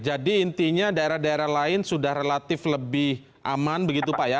jadi intinya daerah daerah lain sudah relatif lebih aman begitu pak ya